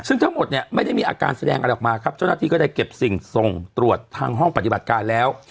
ซึ่งทั้งหมดเนี่ยไม่ได้มีอาการแสดงอะไรออกมาครับเจ้าหน้าที่ก็ได้เก็บสิ่งส่งตรวจทางห้องปฏิบัติการแล้ว